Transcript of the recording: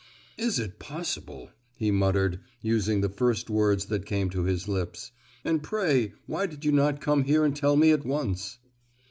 "Is it possible!" he muttered, using the first words that came to his lips, "and pray why did you not come here and tell me at once?"